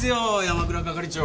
山倉係長。